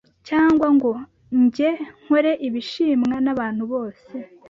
cyangwa ngo nge nkore ibishimwa n’abantu bose